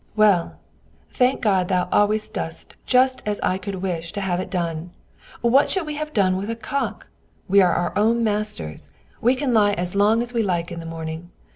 "Well! thank God thou always dost just as I could wish to have it done. What should we have done with a cock? We are our own masters; we can lie as long as we like in the morning.